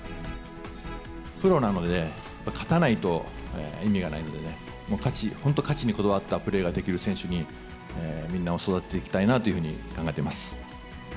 プロなので、勝たないと意味がないので、もう勝ち、本当、勝ちにこだわったプレーができる選手に、みんなを育てていきたいなというふうに考えてます。